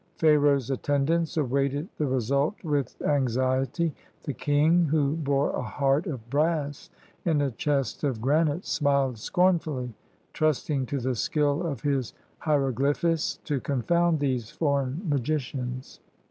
Pharaoh's attendants awaited the result with anxiety. The king, who bore a heart of brass in a chest of gran ite, smiled scornfully, trusting to the skill of his hiero glyphists to confound these foreign magicians.